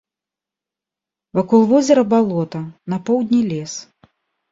Вакол возера балота, на поўдні лес.